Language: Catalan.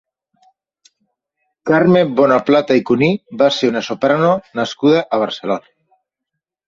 Carme Bonaplata i Cuní va ser una soprano nascuda a Barcelona.